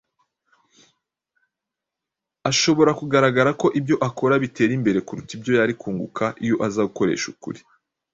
ashobora kugaragara ko ibyo akora bitera imbere kuruta ibyo yari kunguka iyo aza gukoresha ukuri,